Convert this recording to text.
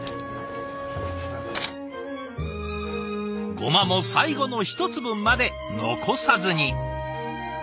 ごまも最後の一粒まで残さずに。